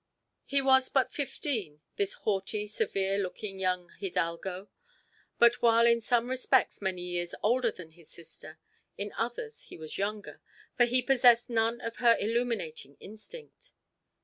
He was but fifteen, this haughty, severe looking young hidalgo, but while in some respects many years older than his sister, in others he was younger, for he possessed none of her illuminating instinct.